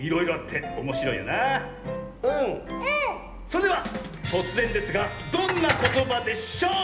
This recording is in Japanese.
それではとつぜんですが「どんなことばでしょう？」。